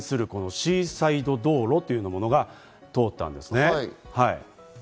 海沿いに面するシーサイド道路というものが通ったんですね。